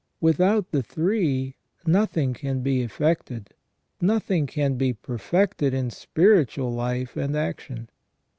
With out the three nothing can be effected, nothing can be perfected in spiritual life and action.